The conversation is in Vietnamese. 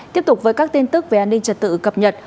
tiếp tục với các tin tức về an ninh trật tự cập nhật